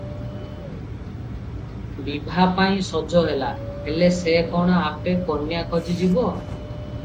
ବିଭାପାଇଁ ସଜ ହେଲା, ହେଲେ ସେ କଣ ଆପେ କନ୍ୟା ଖୋଜି ଯିବ?